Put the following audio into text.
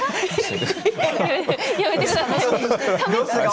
やめてください！